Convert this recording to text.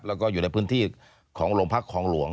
แล้วก็อยู่ในพื้นที่ของโรงพักคลองหลวง